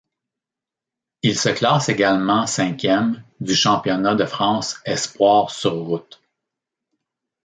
Il se classe également cinquième du championnat de France espoirs sur route.